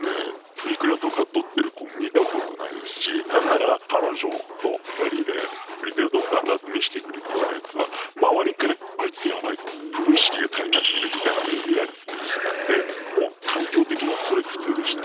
プリクラとか撮ってる子見たことないですし何なら彼女と２人でプリクラ撮ったんだって見してくるようなやつは周りからあいつヤバいぞプロ意識が足りなすぎるみたいな目で見られてたりしてたんでもう環境的にそれが普通でしたね。